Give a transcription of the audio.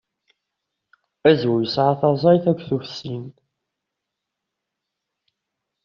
Azwu yesɛa taẓẓayt akked tufsin.